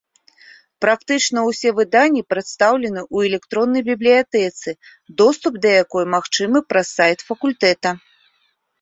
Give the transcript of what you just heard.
Практычна ўсе выданні прадстаўлены ў электроннай бібліятэцы, доступ да якой магчымы праз сайт факультэта.